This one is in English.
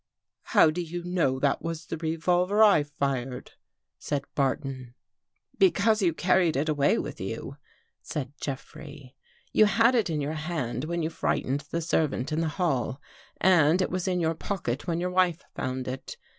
" How do you know that was the revolver I fired?" said Barton. " Because you carried it away with you," said Jeffrey. " You had it in your hand when you fright ened the servant in the hall and it was in your pocket when your wife found it.